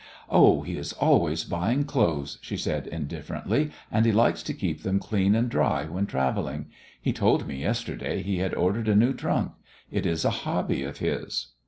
"Oh, he is always buying clothes," she said indifferently, "and he likes to keep them clean and dry when travelling. He told me yesterday he had ordered a new trunk. It is a hobby of his."